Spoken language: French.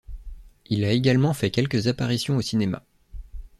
Il a également fait quelques apparitions au cinéma.